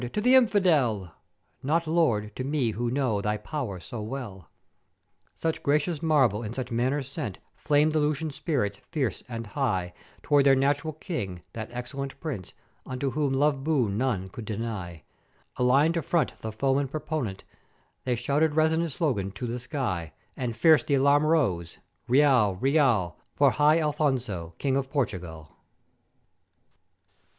to th' Infidel: Not, Lord, to me who know Thy pow'er so well.' "Such gracious marvel in such manner sent 'flamèd the Lusians' spirits fierce and high, towards their nat'ural King, that excellent Prince, unto whom love boon none could deny: Aligned to front the foeman prepotent, they shouted res'onant slogan to the sky, and fierce the 'larum rose, 'Real, real, for high Afonso, King of Portugal!'